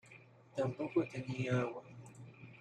Tampoco tenía agua.